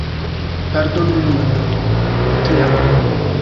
Pardonu min... tria loko